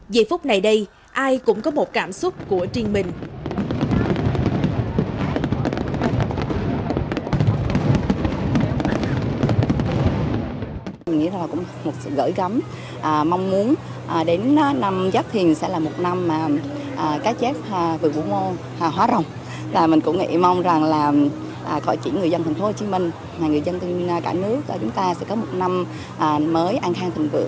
vì phút này đây ai cũng có một cảm xúc của truyền mình